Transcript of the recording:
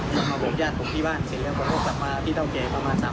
พอมาบอกญาติผมที่บ้านเสร็จแล้วก็โทรกลับมาที่เท่าแก่ประมาณ๓๐๐